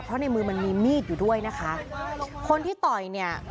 เพราะในมือมันมีมีดอยู่ด้วยนะคะคนที่ต่อยเนี่ย